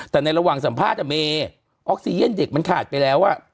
แต่ในระหว่างสัมภาษณ์เมย์ออกซีเย็นเด็กมันขาดไปแล้ว